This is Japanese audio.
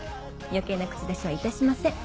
余計な口出しはいたしません。